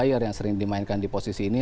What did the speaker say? layer yang sering dimainkan di posisi ini